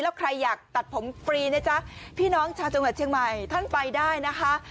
แล้วใครอยากตัดผมฟรีนะจ๊ะพี่น้องชาวจังหวัดเชียงใหม่ท่านไปได้นะคะ